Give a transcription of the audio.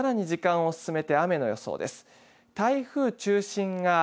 さらに時間を進めて雨の予想です。